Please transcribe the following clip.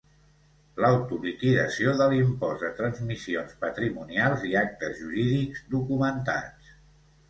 L'autoliquidació de l'impost de transmissions patrimonials i actes jurídics documentats.